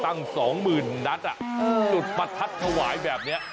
ตั้งสองหมื่นนัดอ่ะจุดประทัดถวายแบบเนี้ย